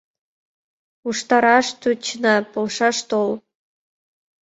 Уштараш тӧчена, полшаш тол.